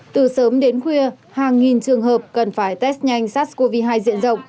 từ sớm đến khuya hàng nghìn trường hợp cần phải test nhanh sars cov hai diện rộng